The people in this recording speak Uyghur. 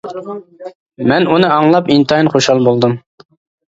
مەن ئۇنى ئاڭلاپ ئىنتايىن خۇشال بولدۇم.